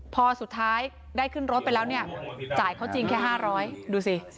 พอสุดท้ายได้ขึ้นรถไปแล้วเนี่ยจ่ายเขาจริงแค่๕๐๐ดูสิ